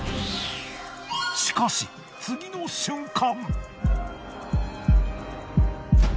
しかし次の瞬間。